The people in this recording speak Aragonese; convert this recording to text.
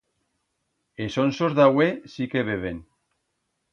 Es onsos d'ahué sí que beben.